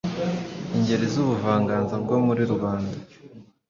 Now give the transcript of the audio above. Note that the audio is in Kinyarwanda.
Ingeri z’ubuvanganzo bwo muri rubanda